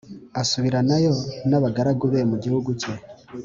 asubiranayo n’abagaragu be mu gihugu cye